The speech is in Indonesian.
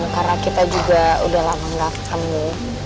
karena kita juga udah lama gak ketemu